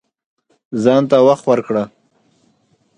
ځان ته وخت ورکړه